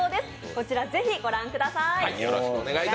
こちら、ぜひご覧ください。